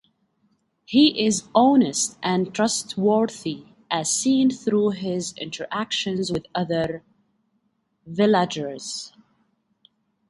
He is honest and trustworthy, as seen through his interactions with other villagers.